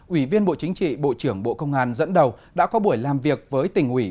ủy viên bộ chính trị bộ trưởng bộ công an dẫn đầu đã có buổi làm việc với tỉnh ủy